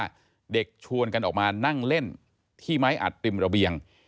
เด็กชวนกันออกมานั่งเล่นที่ไม้อัดริมระเบียง